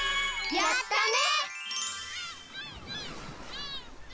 やったね！